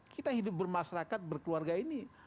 kita hidup bermasyarakat berkeluarga ini